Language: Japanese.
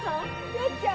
よっちゃん！